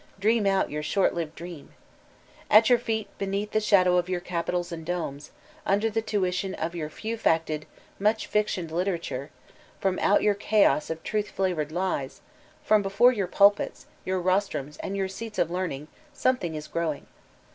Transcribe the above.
Dream out your short lived dream I At your feet, beneath the shadow of your capitols and domes^ under the tuition of your f ew facted, much fictioned literature, from out your chaos of truth flavored lies, from before your pu^ts, your rostrums and your seats of learning, something is growing.